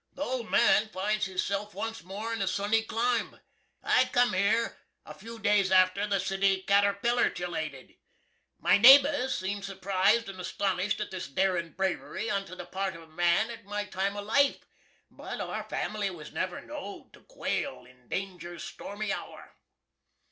The old man finds hisself once more in a Sunny climb. I cum here a few days arter the city catterpillertulated. My naburs seemed surprised & astonisht at this darin' bravery onto the part of a man at my time of life, but our family was never know'd to quale in danger's stormy hour.